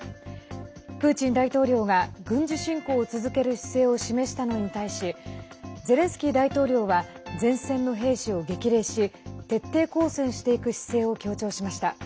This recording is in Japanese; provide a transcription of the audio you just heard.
プーチン大統領が軍事侵攻を続ける姿勢を示したのに対しゼレンスキー大統領は前線の兵士を激励し徹底抗戦していく姿勢を強調しました。